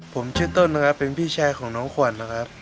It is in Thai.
ผมชื่อต้นนะครับเป็นพี่ชายของน้องขวัญนะครับ